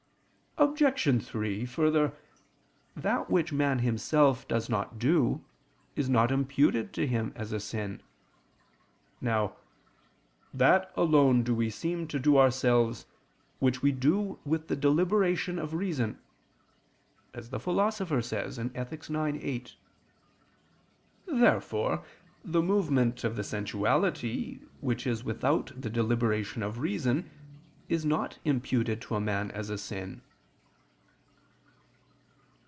Obj. 3: Further, that which man himself does not do is not imputed to him as a sin. Now "that alone do we seem to do ourselves, which we do with the deliberation of reason," as the Philosopher says (Ethic. ix, 8). Therefore the movement of the sensuality, which is without the deliberation of reason, is not imputed to a man as a sin.